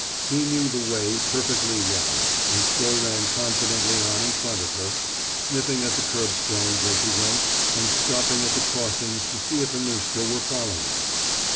He knew the way perfectly well, and so ran confidently on in front of her, sniffing at the curbstones as he went and stopping at the crossings to see if Annushka were following.